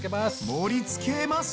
盛りつけます！